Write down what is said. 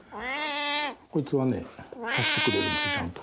こいつはねさしてくれるんですよちゃんと。